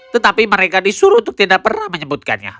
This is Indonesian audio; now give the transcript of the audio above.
tetapi mereka disuruh untuk tidak pernah menyebutkannya